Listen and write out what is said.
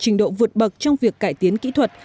trình độ vượt bậc trong việc cải tiến kỹ thuật